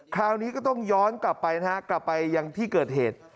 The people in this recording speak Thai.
คราวนี้ก็ต้องย้อนกลับไปนะฮะกลับไปยังที่เกิดเหตุ